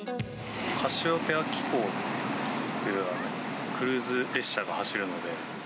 カシオペア紀行というクルーズ列車が走るので。